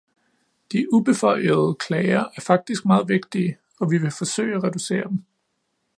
De ubeføjede klager er faktisk meget vigtige, og vi vil forsøge at reducere dem.